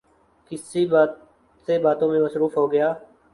کسی سے باتوں میں مصروف ہوگیا